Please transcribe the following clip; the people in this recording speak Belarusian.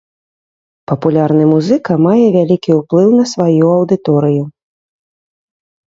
Папулярны музыка мае вялікі ўплыў на сваю аўдыторыю.